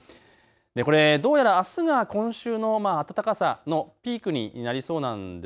これどうやらあすが今週の暖かさのピークになりそうなんです。